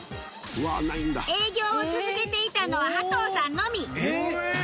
営業を続けていたのは羽當さんのみ。